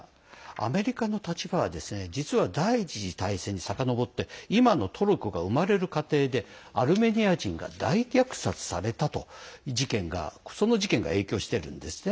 アメリカの立場には実は、第１次大戦にさかのぼって今のトルコが生まれる過程でアルメニア人が大虐殺された事件が影響してるんですね。